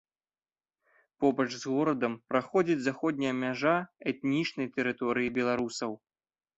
Побач з горадам праходзіць заходняя мяжа этнічнай тэрыторыі беларусаў.